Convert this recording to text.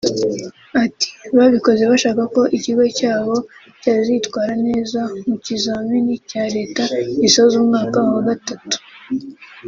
Ati “babikoze bashaka ko ikigo cyabo cyazitwara neza mu kizamini cya Leta gisoza umwaka wa gatatu